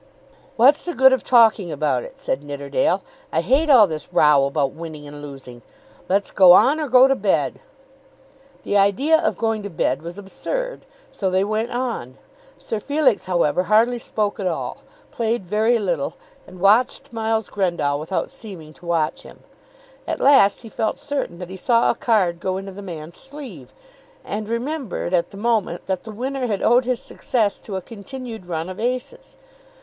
"What's the good of talking about it?" said Nidderdale. "I hate all this row about winning and losing. Let's go on, or go to bed." The idea of going to bed was absurd. So they went on. Sir Felix, however, hardly spoke at all, played very little, and watched Miles Grendall without seeming to watch him. At last he felt certain that he saw a card go into the man's sleeve, and remembered at the moment that the winner had owed his success to a continued run of aces.